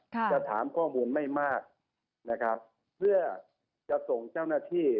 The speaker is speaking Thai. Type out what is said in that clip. จะถามข้อมูลไม่มากนะครับเพื่อจะส่งเจ้าหน้าที่